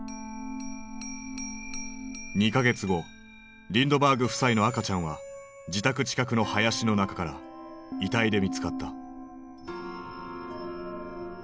２か月後リンドバーグ夫妻の赤ちゃんは自宅近くの林の中から遺体で見つかった。